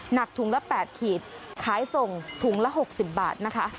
หนักถุงละ๘ขีดขายส่งถุงละ๖๐บาทนะคะ